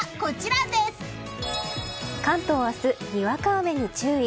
関東は明日、にわか雨に注意。